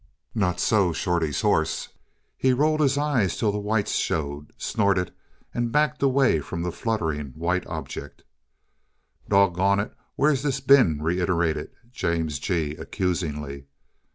Not so Shorty's horse. He rolled his eyes till the whites showed, snorted and backed away from the fluttering, white object. "Doggone it, where's this been?" reiterated James G., accusingly.